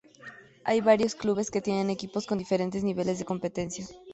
Hay varios clubes que tienen equipos con diferentes niveles de competencia.